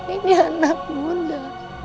ini anak bunda